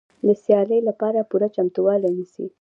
د سیالۍ لپاره پوره چمتووالی نیسي.